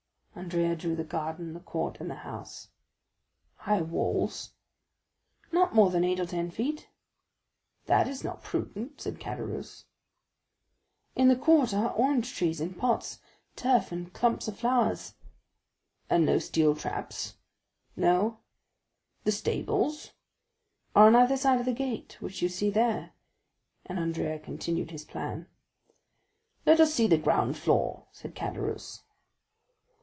Andrea drew the garden, the court and the house. 40142m "High walls?" "Not more than eight or ten feet." "That is not prudent," said Caderousse. "In the court are orange trees in pots, turf, and clumps of flowers." "And no steel traps?" "No." "The stables?" "Are on either side of the gate, which you see there." And Andrea continued his plan. "Let us see the ground floor," said Caderousse.